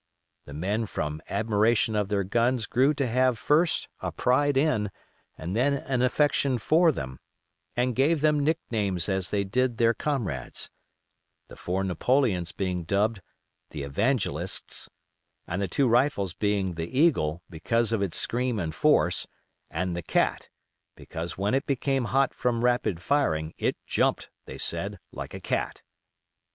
The men from admiration of their guns grew to have first a pride in, and then an affection for, them, and gave them nicknames as they did their comrades; the four Napoleons being dubbed "The Evangelists", and the two rifles being "The Eagle", because of its scream and force, and "The Cat", because when it became hot from rapid firing "It jumped," they said, "like a cat."